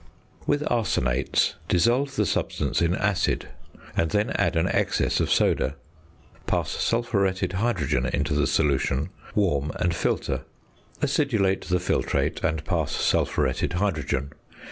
With arsenates, dissolve the substance in acid and then add an excess of soda. Pass sulphuretted hydrogen into the solution; warm, and filter. Acidulate the filtrate, and pass sulphuretted hydrogen.